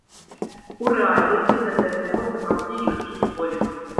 У рэальнасці гэтыя тэмы сапраўды ёсць у школе.